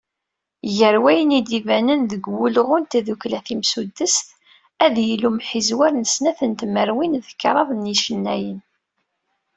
Gar wayen i d-ibanen deg wulɣu n tddukkla timsuddest, ad yili umḥizwer n snat tmerwin d kraḍ n yicennayen.